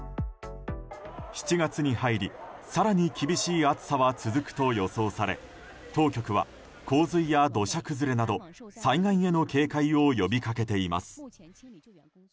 ７月に入り更に厳しい暑さは続くと予想され当局は洪水や土砂崩れなど災害への警戒を呼びかけています。